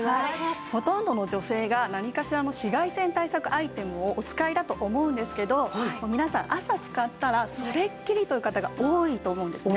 ほとんどの女性が何かしらの紫外線対策アイテムをお使いだと思うんですけど皆さん朝使ったらそれっきりという方が多いと思うんですね。